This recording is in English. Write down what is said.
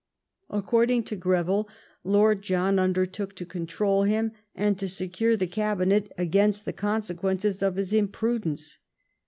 Accor ding to Greville, Lord John undertook to control him, and to secure the Cabinet against the consequences oi his imprudence.